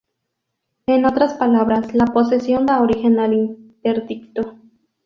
En otras palabras, la posesión da origen al interdicto.